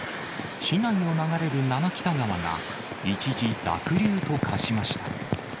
市内を流れる七北田川が一時濁流と化しました。